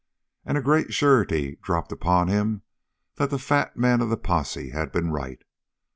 And a great surety dropped upon him that the fat man of the posse had been right.